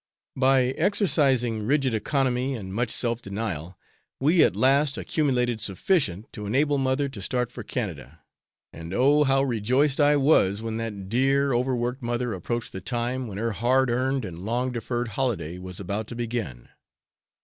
By exercising rigid economy and much self denial, we, at last, accumulated sufficient to enable mother to start for Canada, and oh! how rejoiced I was when that dear, overworked mother approached the time, when her hard earned and long deferred holiday was about to begin.